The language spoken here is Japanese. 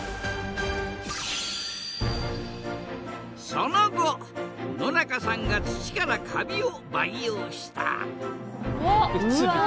その後野中さんが土からカビを培養したあっ！